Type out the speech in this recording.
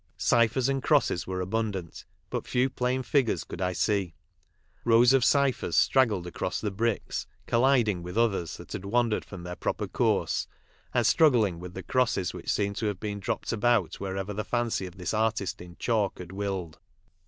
Cyphers and crosses were abundant, but few plain figures could I see : rows of cyphers straggled across the bricks, colliding with others that had wandered from their proper course, and struggling with the crosses which seemed to have been dropped about wherever ♦h , fanc y of tllis ^tist in chalk had willed.